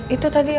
itu tadi ya